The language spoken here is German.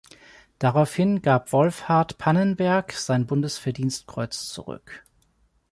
Daraufhin gab Wolfhart Pannenberg sein Bundesverdienstkreuz zurück.